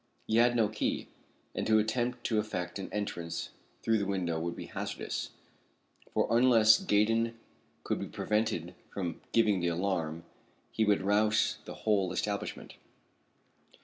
He had no key, and to attempt to effect an entrance through the window would be hazardous, for, unless Gaydon could be prevented from giving the alarm, he would rouse the whole establishment.